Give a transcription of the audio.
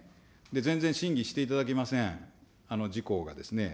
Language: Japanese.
全然審議していただけません、自公がですね。